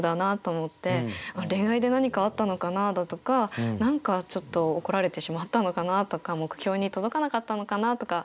恋愛で何かあったのかなだとか何かちょっと怒られてしまったのかなとか目標に届かなかったのかなとか。